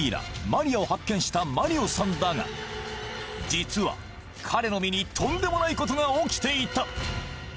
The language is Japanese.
マリアを発見したマリオさんだが実は彼の身にとんでもないことが起きていた！